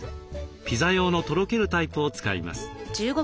ピザ用のとろけるタイプを使います。